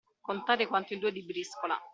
Contare quanto il due di briscola.